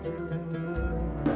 tahlilan itu biasa